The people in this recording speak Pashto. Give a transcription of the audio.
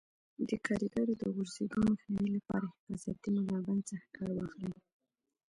د کاریګرو د غورځېدو مخنیوي لپاره حفاظتي ملابند څخه کار واخلئ.